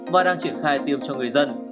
và đang triển khai tiêm cho người dân